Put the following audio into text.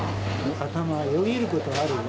頭よぎることはあるよ。